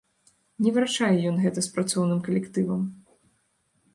Не вырашае ён гэта з працоўным калектывам.